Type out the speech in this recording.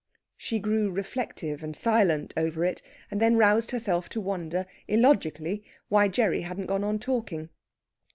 She grew reflective and silent over it, and then roused herself to wonder, illogically, why Gerry hadn't gone on talking.